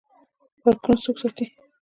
پارکونه څوک ساتي؟